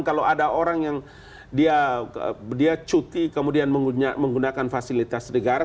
kalau ada orang yang dia cuti kemudian menggunakan fasilitas negara